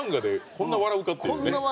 こんな笑うかっていう。